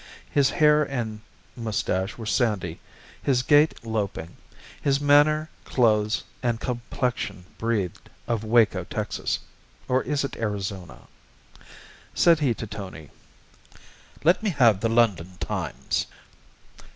His hair and mustache were sandy, his gait loping. His manner, clothes, and complexion breathed of Waco, Texas (or is it Arizona?) Said he to Tony: "Let me have the London Times."